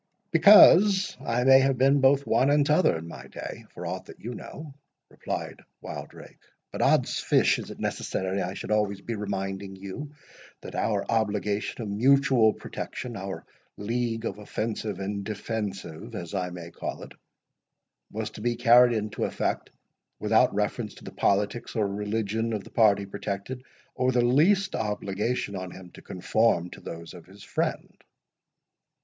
"Because I may have been both one and t'other in my day, for aught that you know," replied Wildrake. "But, oddsfish! is it necessary I should always be reminding you, that our obligation of mutual protection, our league of offensive and defensive, as I may call it, was to be carried into effect without reference to the politics or religion of the party protected, or the least obligation on him to conform to those of his friend?"